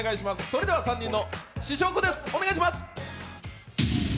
それでは３人の試食ですお願いします。